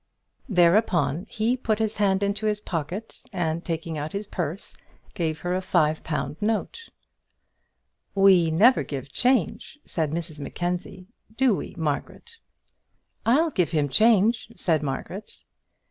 Thereupon he put his hand into his pocket, and taking out his purse, gave her a five pound note. "We never give change," said Mrs Mackenzie: "do we, Margaret?" "I'll give him change," said Margaret.